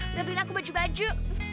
udah beli aku baju baju